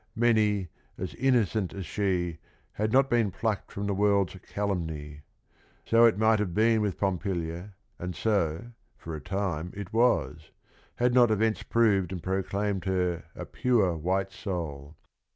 Many, as innocent as she, had not been "plucked from the world's calumny." So it might have been with Pompilia, and so, for a time it was, had not events proved and proclaimed her a pure white soul.